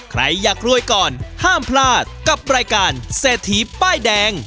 ใครอยากรวยก่อนห้ามพลาดกับรายการเศรษฐีป้ายแดง